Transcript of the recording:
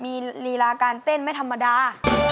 มีลีลาการเต้นไม่ธรรมดา